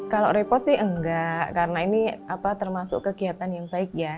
kalau repot sih enggak karena ini termasuk kegiatan yang baik ya